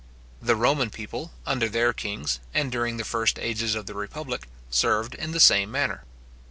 The Roman people, under their kings, and during the first ages of the republic, served in the same manner.